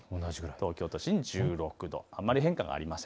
東京都心１６度、あまり変化はありません。